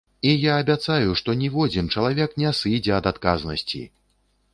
І я абяцаю, што ніводзін чалавек не сыдзе ад адказнасці!